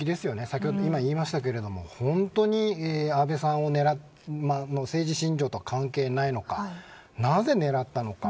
先ほど言いましたが本当に安倍さんを狙った政治信条とは関係ないのかなぜ狙ったのか。